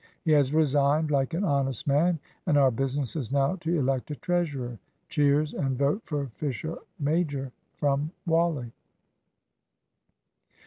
He has resigned, like an honest man; and our business is now to elect a treasurer." (Cheers and "Vote for Fisher major" from Wally.)